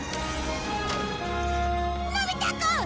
のび太くん！